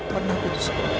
pernah putus sekolah